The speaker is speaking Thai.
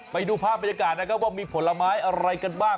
ไปดูภาพบรรยากาศนะครับว่ามีผลไม้อะไรกันบ้าง